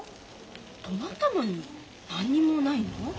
泊まったのに何にもないの？